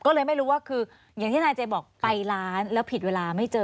ก็เลยไม่รู้ว่าคืออย่างที่นายเจบอกไปร้านแล้วผิดเวลาไม่เจอ